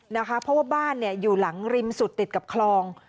เพราะว่าบ้านอยู่หลังริมสุดติดกับคลอง